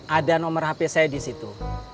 ada nomor hp saya di situ